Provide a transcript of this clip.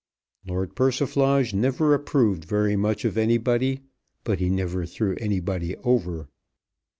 Lord Persiflage never approved very much of anybody, but he never threw anybody over.